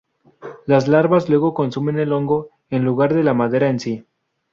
Las larvas luego consumen el hongo, en lugar de la madera en sí.